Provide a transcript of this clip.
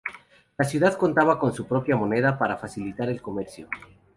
La ciudad contaba con su propia moneda para facilitar el comercio.